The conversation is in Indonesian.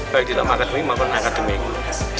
baik di dalam akademi maupun akademik